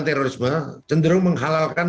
terorisme cenderung menghalalkan